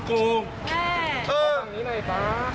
แม่ทางนี้หน่อยค่ะ